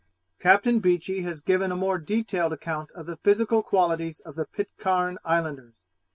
Captain Beechey has given a more detailed account of the physical qualities of the Pitcairn Islanders.